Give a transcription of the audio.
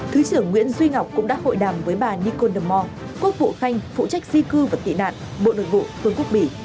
thứ trưởng nguyễn duy ngọc cũng đã hội đàm với bà nicole demore quốc vụ khanh phụ trách di cư và tị nạn bộ nội vụ vương quốc bỉ